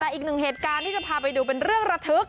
แต่อีกหนึ่งเหตุการณ์ที่จะพาไปดูเป็นเรื่องระทึก